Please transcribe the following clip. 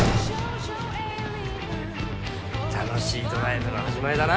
楽しいドライブの始まりだな。